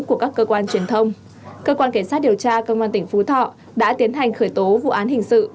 của các cơ quan truyền thông cơ quan cảnh sát điều tra công an tỉnh phú thọ đã tiến hành khởi tố vụ án hình sự